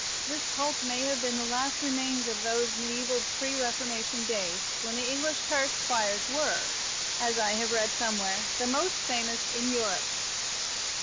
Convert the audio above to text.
This cult may have been the last remains of those mediaeval pre Reformation days when the English Church choirs were, as I have read somewhere, the most famous in Europe.